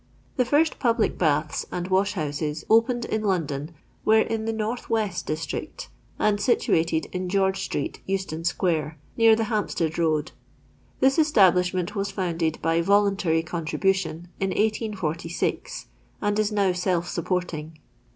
The first public biiths and washhouses opened in London were in the " north west district," and situated in George street, Euston sqiuire, near the £Utmpstead road. Ttiis establishment was founded by voluntary contribution in 184(J, and is now self snpporting.